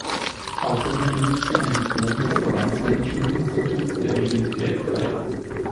Ausserdem besitzt er ein Diplom des Verbandsmanagement-Instituts der Universität Freiburg.